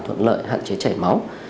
thuận lợi hạn chế chảy máu